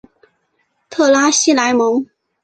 特拉西莱蒙。